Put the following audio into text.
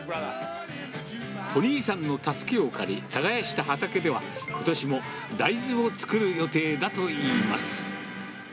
お兄さんの助けを借り、耕した畑では、ことしも大豆を作る予定だといいます。